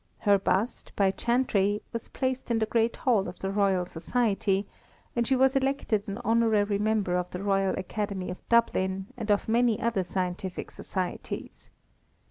Her bust, by Chantrey, was placed in the great hall of the Royal Society, and she was elected an honorary member of the Royal Academy of Dublin, and of many other scientific societies.